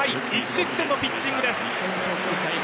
１失点のピッチングです。